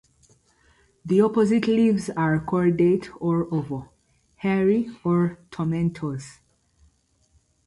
The opposite leaves are cordate or oval, hairy or tomentose.